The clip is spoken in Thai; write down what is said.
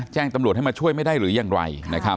แจ้งตำรวจให้มาช่วยไม่ได้หรือยังไร